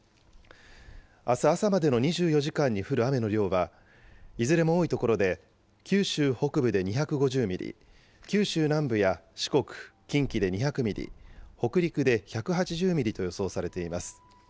あす朝までの２４時間に降る雨の量はいずれも多い所で九州北部で２５０ミリ、九州南部や四国、近畿で２００ミリ、北陸で１８０ミリと予想されています。